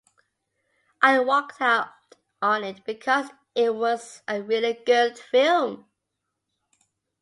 I walked out on it because it was a really good film.